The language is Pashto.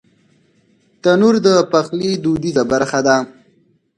تنور د پخلي دودیزه برخه ده